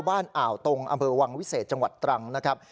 อ่าวตรงอำเภอวังวิเศษจังหวัดตรังนะครับ